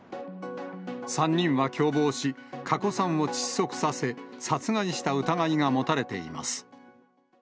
３人は共謀し、加古さんを窒息させ、殺害した疑いが持たれています。